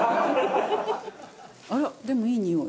あら？でもいいにおい。